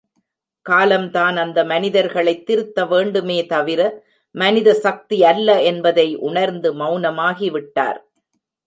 காலம்தான் அந்த மனிதர்களைத் திருத்த வேண்டுமே தவிர மனித சக்தி அல்ல என்பதை உணர்ந்து மெளனமாகி விட்டார்.